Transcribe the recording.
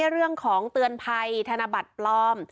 เรื่องของเตือนภัยธนบัตรปลอม